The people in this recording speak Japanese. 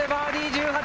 −１８！